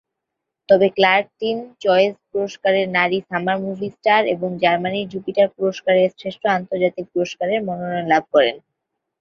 তবে Clarke Teen Choice পুরস্কারের নারী সামার মুভি স্টার এবং জার্মানির জুপিটার পুরস্কারের শ্রেষ্ঠ আন্তর্জাতিক পুরস্কারের মনোনয়ন লাভ করেন।